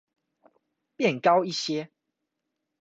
變高一些